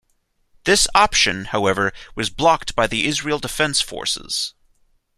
This option, however, was blocked by the Israel Defense Forces.